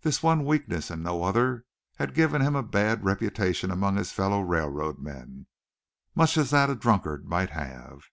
This one weakness, and no other, had given him a bad reputation among his fellow railroad men much as that a drunkard might have.